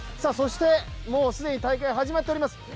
そして、もう既に大会は始まっています。